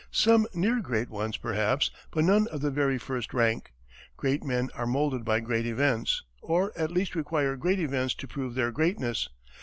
Some near great ones, perhaps, but none of the very first rank. Great men are moulded by great events, or, at least, require great events to prove their greatness.